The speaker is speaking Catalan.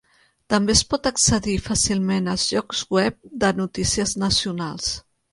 També es pot accedir fàcilment a llocs web de notícies nacionals.